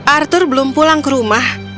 arthur belum pulang ke rumah